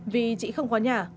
vì chị không có nhà